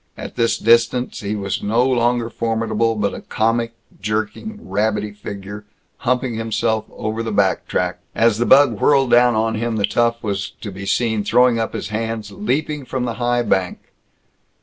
At this distance he was no longer formidable, but a comic, jerking, rabbity figure, humping himself over the back track. As the bug whirled down on him, the tough was to be seen throwing up his hands, leaping from the high bank.